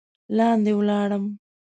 لاندې ولاړم.